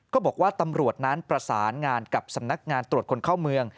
ก็บอกว่าตำรวจนั้นประสานงานกับสำนักงานตรวจคนเข้าเมือง